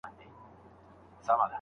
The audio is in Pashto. د لېونتوب اته شپېتمه دقيقه دې شمه